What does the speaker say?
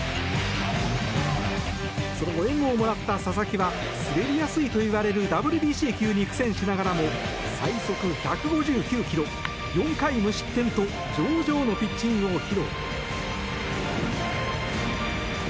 その後、援護をもらった佐々木は滑りやすいといわれるＷＢＣ球に苦戦しながらも最速１５９ｋｍ４回無失点と上々のピッチングを披露。